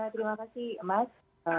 terima kasih mas